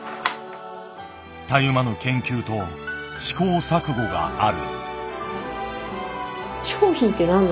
たゆまぬ研究と試行錯誤がある。